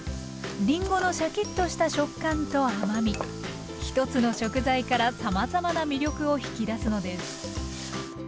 りんごのシャキッとした食感と甘み１つの食材からさまざまな魅力を引き出すのです